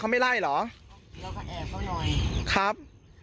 เขาไม่ไล่เหรอเราก็แอบเขาหน่อยครับ